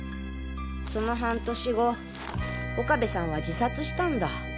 その半年後岡部さんは自殺したんだ。